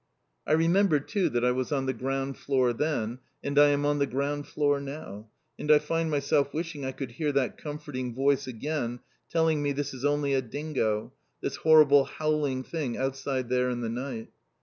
I remember too, that I was on the ground floor then, and I am on the ground floor now, and I find myself wishing I could hear that comforting voice again, telling me this is only a dingo, this horrible howling thing outside there in the night.